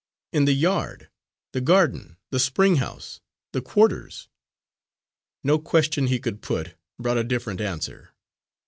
"In the yard? the garden? the spring house? the quarters?" No question he could put brought a different answer.